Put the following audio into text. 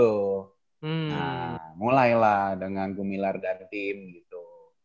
nah mulailah dengan gumilar dan tim gitu